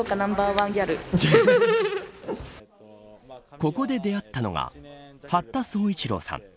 ここで出会ったのが八田宗一朗さん。